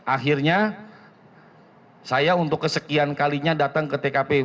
akhirnya saya untuk kesekian kalinya datang ke tkp